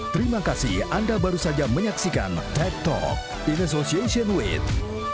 terima kasih anda baru saja menyaksikan tech talk in association with